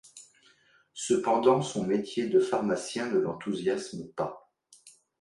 Cependant son métier de pharmacien ne l'enthousiasme pas.